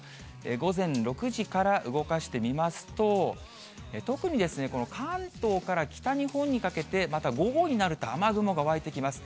午前６時から動かしてみますと、特にこの関東から北日本にかけて、また午後になると、雨雲が湧いてきます。